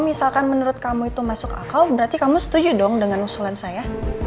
misalkan menurut kamu itu masuk akal berarti kamu setuju dong dengan usulan saya